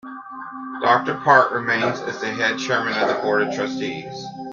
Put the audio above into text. Doctor Park remained as the head chairman of the board of trustees.